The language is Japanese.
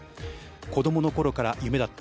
子供の頃から夢だった